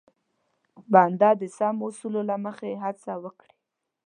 بنده د سمو اصولو له مخې هڅه وکړي.